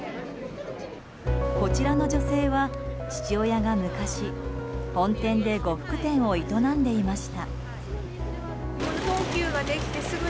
こちらの女性は、父親が昔本店で呉服店を営んでいました。